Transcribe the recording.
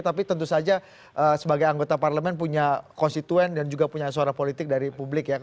tapi tentu saja sebagai anggota parlemen punya konstituen dan juga punya suara politik dari publik ya